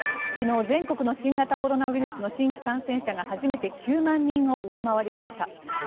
昨日全国の新型コロナウイルスの新規感染者が初めて９万人を上回りました。